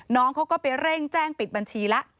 น้องเขาก็ไปเร่งแจ้งปิดบัญชีแล้ว